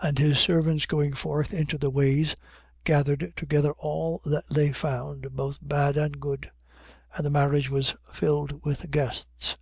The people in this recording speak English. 22:10. And his servants going forth into the ways, gathered together all that they found, both bad and good: and the marriage was filled with guests.